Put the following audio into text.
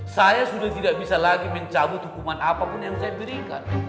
saya sudah tidak bisa lagi mencabut hukuman apapun yang saya berikan